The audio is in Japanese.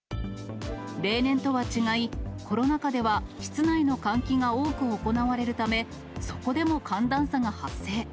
例年とは違い、コロナ禍では室内の換気が多く行われるため、そこでも寒暖差が発生。